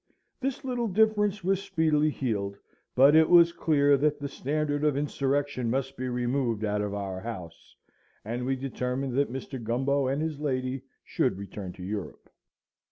This little difference was speedily healed; but it was clear that the Standard of Insurrection must be removed out of our house; and we determined that Mr. Gumbo and his lady should return to Europe.